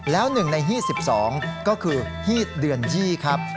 แล้วหนึ่งในฮีท๑๒ก็คือฮีทเดือนยี่ครับ